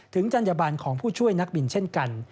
จัญญบันของผู้ช่วยนักบินเช่นกัน